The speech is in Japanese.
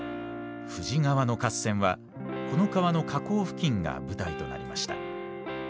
富士川の合戦はこの川の河口付近が舞台となりました。